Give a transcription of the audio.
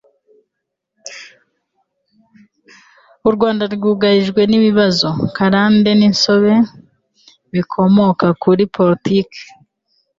u rwanda rwugarijwe n'ibibazo karande by'insobe bikomoka kuri politiki